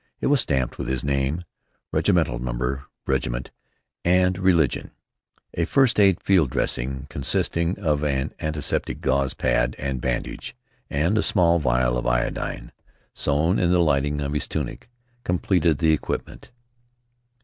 It was stamped with his name, regimental number, regiment, and religion. A first aid field dressing, consisting of an antiseptic gauze pad and bandage and a small vial of iodine, sewn in the lining of his tunic, completed the equipment.